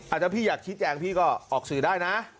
ถ้าพี่อยากชี้แจงพี่ก็ออกสื่อได้นะ